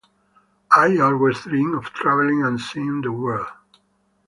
I always dream of travelling and seeing the world.